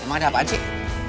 emang ada apaan sih